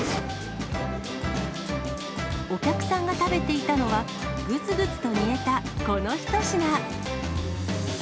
お客さんが食べていたのは、ぐつぐつと煮えたこの一品。